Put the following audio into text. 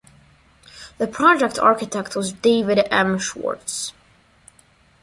The project architect was David M. Schwarz.